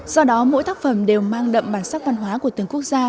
do đó mỗi tác phẩm đều mang đậm bản sắc văn hóa của từng quốc gia